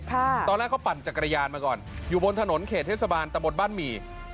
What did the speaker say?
ตอนแรกเขาปั่นจักรยานมาก่อนอยู่บนถนนเขตเทศบาลตะบนบ้านหมี่